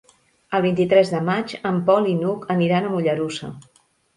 El vint-i-tres de maig en Pol i n'Hug aniran a Mollerussa.